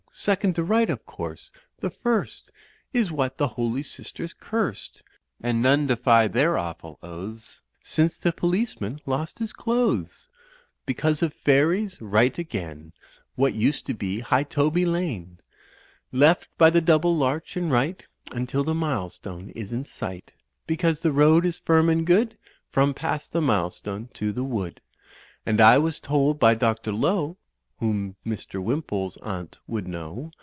i Second to right, of course; the first Is what the holy sisters cursed. And none defy their awful oaths Since the policeman lost his clothes Because of fairies; right again, What used to be High Toby Lane, Left by the double larch and right Until the milestone is in sight, Because the road is firm and good From past the milestone to the wood; And I was told by Dr. Lowe Whom Mr. Wimpole's aunt would know.